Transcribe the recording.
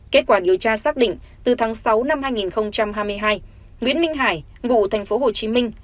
kết quả điều tra xác định từ tháng sáu năm hai nghìn hai mươi hai nguyễn minh hải ngụ thành phố hồ chí minh